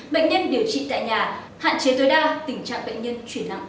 bệnh nhân điều trị tại nhà hạn chế tối đa tình trạng bệnh nhân chuyển nặng